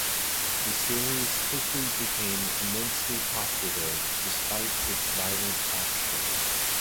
The series quickly become "immensely popular" despite its violent action.